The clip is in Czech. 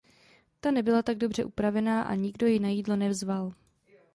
Ta nebyla tak dobře upravená a nikdo ji na jídlo nezval.